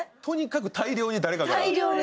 とにかく大量に誰かから。